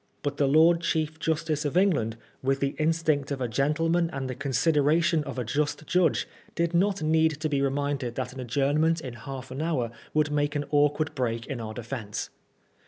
But the Lord Chief Justice of England, with the instinct of a gentleman and the consideration of a just judge, did not need to be reminded that an adjournment in half an hour would make an awkward break in our defence.